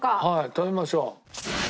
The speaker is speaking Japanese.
食べましょう。